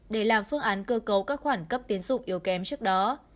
để làm phương án cơ cấu các khoản cấp tiến dụng yếu kém trước đó